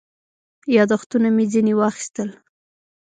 یاداښتونه مې ځنې واخیستل.